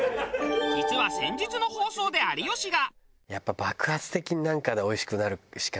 実は先日の放送で有吉が。